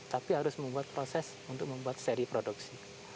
tapi harus membuat proses untuk membuat seri produksi